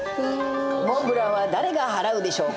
モンブランは誰が払うでしょうか？